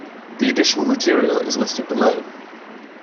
The additional material is listed below.